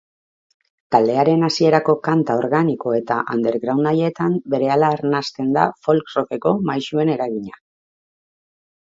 Taldearen hasierako kanta organiko eta underground haietan berehala arnasten da folk-rockeko maisuen eragina.